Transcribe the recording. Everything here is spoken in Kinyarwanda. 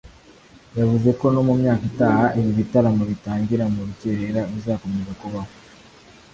yavuze ko no mu myaka itaha ibi bitaramo bitangira mu rukerera bizakomeza kubaho